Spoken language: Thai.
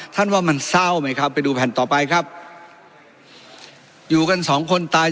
ว่ามันเศร้าไหมครับไปดูแผ่นต่อไปครับอยู่กันสองคนตาย